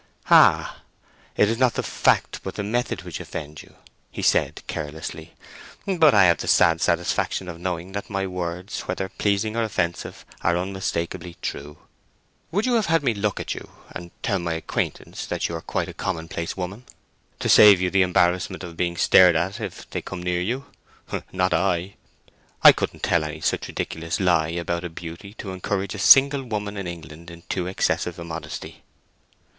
"Ah—it is not the fact but the method which offends you," he said, carelessly. "But I have the sad satisfaction of knowing that my words, whether pleasing or offensive, are unmistakably true. Would you have had me look at you, and tell my acquaintance that you are quite a common place woman, to save you the embarrassment of being stared at if they come near you? Not I. I couldn't tell any such ridiculous lie about a beauty to encourage a single woman in England in too excessive a modesty."